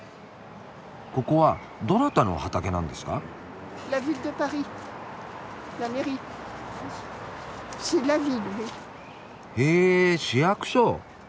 ここはどなたの畑なんですか？へ市役所。